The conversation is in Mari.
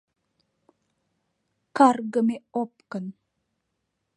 - Каргыме опкын!